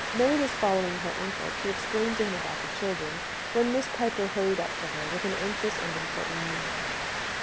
May was following her uncle to explain to him about the children, when Miss Piper hurried up to her with an anxious and important mien.